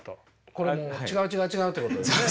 これもう違う違う違うってことですね。